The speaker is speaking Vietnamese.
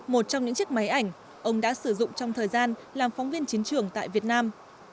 một trong những chiếc máy ảnh ông đã sử dụng trong thời gian làm phóng viên chiến trường tại việt nam